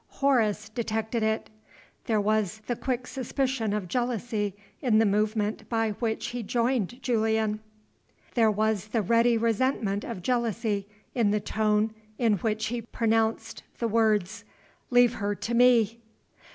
Horace detected it. There was the quick suspicion of jealousy in the movement by which he joined Julian; there was the ready resentment of jealousy in the tone in which he pronounced the words, "Leave her to me."